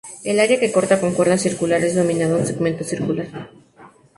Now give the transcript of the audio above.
El área que corta una cuerda circular es denominada un segmento circular.